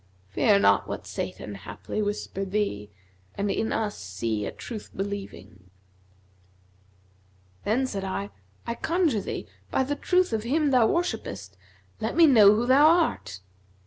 Fear not what Satan haply whispered thee, * And in us see a Truth believing Then said I, 'I conjure thee, by the truth of Him thou wore shippest, let me know who thou art!'